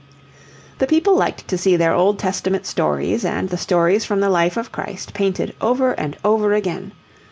The people liked to see their Old Testament stories and the stories from the Life of Christ painted over and over again.